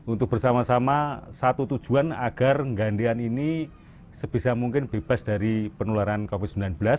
untuk bersama sama satu tujuan agar gandean ini sebisa mungkin bebas dari penularan covid sembilan belas